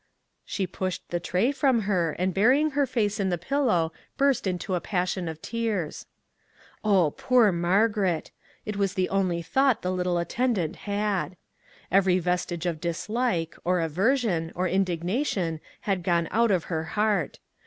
She pushed the tray from her, and burying her face in the pillow burst into a passion of tears. Oh poor Margaret ! It was the only thought 276 AFTER THE STORM the little attendant had. Every vestige of dis like, or aversion, or indignation had gone out of her heart.